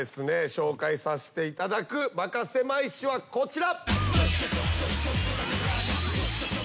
紹介させていただくバカせまい史はこちら。